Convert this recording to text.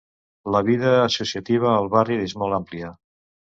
La vida associativa al barri és molt àmplia.